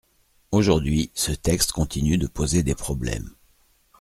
Aujourd’hui, ce texte continue de poser des problèmes.